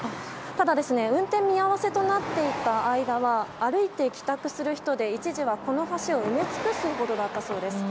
ただ運転見合わせとなっていた間は歩いて帰宅する人で一時はこの橋を埋め尽くすほどだったそうです。